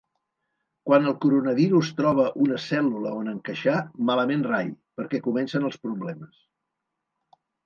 Quan el coronavirus troba una cèl·lula on encaixar, ‘malament rai’, perquè comencen els problemes.